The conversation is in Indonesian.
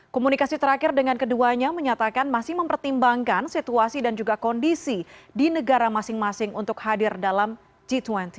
komunikasi terakhir dengan keduanya menyatakan masih mempertimbangkan situasi dan juga kondisi di negara masing masing untuk hadir dalam g dua puluh